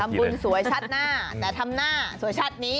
บุญสวยชัดหน้าแต่ทำหน้าสวยชาตินี้